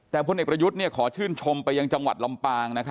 แต่พลเอกประยุทธ์ขอชื่นชมไปยังจังหวัดลำปาง